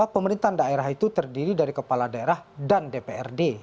pemerintahan daerah itu terdiri dari kepala daerah dan dprd